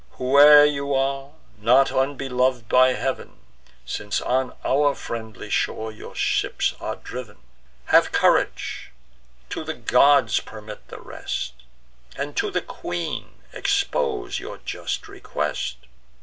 "Whoe'er you are, not unbelov'd by Heav'n, Since on our friendly shore your ships are driv'n: Have courage: to the gods permit the rest, And to the queen expose your just request.